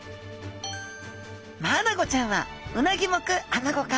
マアナゴちゃんはウナギ目アナゴ科。